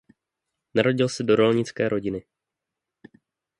Narodil se do rolnické rodiny.